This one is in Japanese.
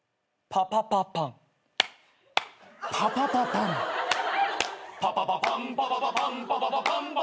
「パパパパンパパパパンパパパパンパパパパン」